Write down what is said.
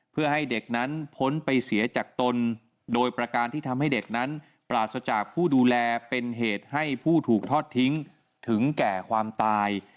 เพื่อให้เด็กนั้นพ้นไปเสียจากตนโดยประการที่ทำให้เด็กนั้นปราศจากผู้ดูแลเป็นเหตุให้ผู้ถูกทอดทิ้งถึงแก่ความตาย